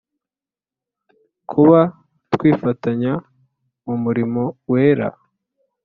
Kuba twifatanya mu murimo wera